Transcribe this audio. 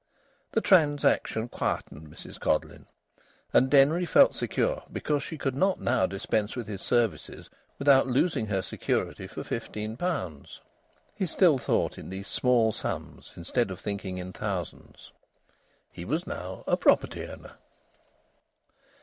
The transaction quietened Mrs Codleyn. And Denry felt secure because she could not now dispense with his services without losing her security for fifteen pounds. (He still thought in these small sums instead of thinking in thousands.) He was now a property owner.